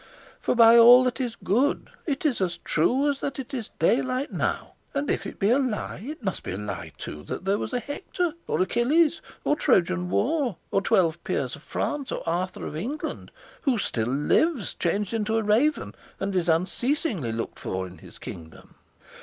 For by all that is good it is as true as that it is daylight now; and if it be a lie, it must be a lie too that there was a Hector, or Achilles, or Trojan war, or Twelve Peers of France, or Arthur of England, who still lives changed into a raven, and is unceasingly looked for in his kingdom.